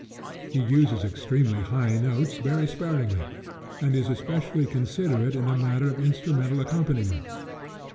He uses extremely high notes very sparingly, and is especially considerate in the matter of instrumental accompaniment.